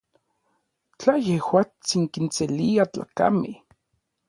Tla yejuatsin kinselia tlakamej.